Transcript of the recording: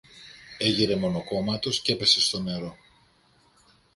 έγειρε μονοκόμματος κι έπεσε στο νερό.